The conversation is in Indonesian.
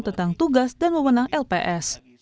tentang tugas dan memenang lps